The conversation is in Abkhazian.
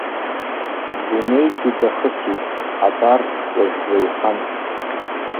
Дунеигьы дахысит, абар, уажә дуаҩхан.